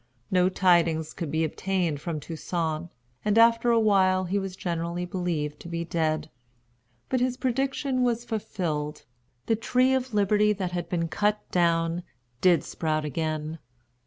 No tidings could be obtained from Toussaint, and after a while he was generally believed to be dead. But his prediction was fulfilled. The tree of Liberty, that had been cut down, did sprout again.